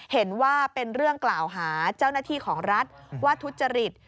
เห็นว่าเป็นเรื่องกล่าวหาเจ้าหน้าที่ของรัฐว่าทุจริต